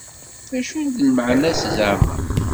D acu d lmeɛna-s zeɛma?